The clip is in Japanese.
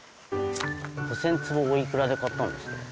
５０００坪をおいくらで買ったんですか？